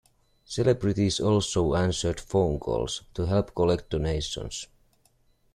Celebrities also answered phone calls to help collect donations.